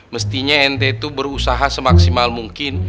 mestinya nt itu berusaha semaksimal mungkin